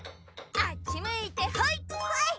あっちむいてほい！